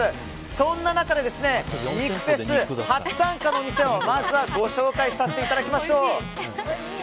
そんな中、肉フェス初参加の店をまずはご紹介させていただきましょう。